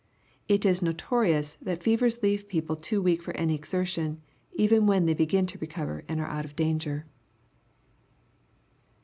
It is notorious that fevers leave people too weak for any exertion, even when they begin to recover and are out oi danger.